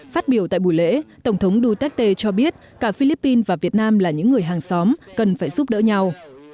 phát biểu tại buổi lễ tổng thống duterte cho biết cả philippines và việt nam là những người hàng xóm cần phải giúp đỡ nhau